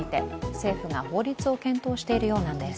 政府が法律を検討しているようなんです。